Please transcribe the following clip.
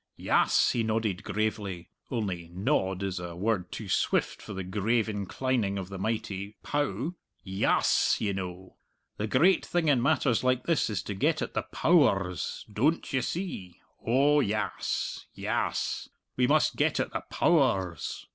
"Yass," he nodded gravely only "nod" is a word too swift for the grave inclining of that mighty pow "yass, ye know, the great thing in matters like this is to get at the Pow ers, doan't you see? Oh yass, yass; we must get at the Pow ers!"